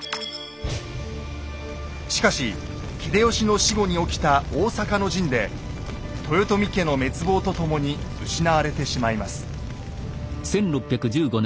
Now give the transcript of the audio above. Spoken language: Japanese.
しかし秀吉の死後に起きた大坂の陣で豊臣家の滅亡とともに失われてしまいます。